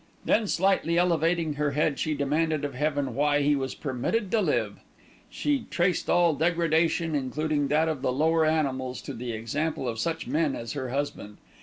Then slightly elevating her head she demanded of Heaven why he was permitted to live. She traced all degradation, including that of the lower animals, to the example of such men as her husband.